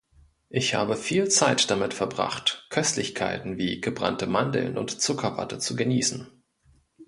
Ich habe viel Zeit damit verbracht, Köstlichkeiten wie gebrannte Mandeln und Zuckerwatte zu genießen.